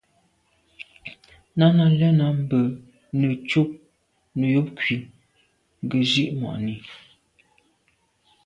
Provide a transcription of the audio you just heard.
Nana lɛ̂n á nə yǒbkwì gə zí’ mwα̂ʼnì.